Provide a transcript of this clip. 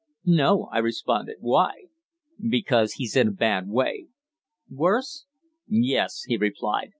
"No," I responded. "Why?" "Because he's in a bad way." "Worse?" "Yes," he replied.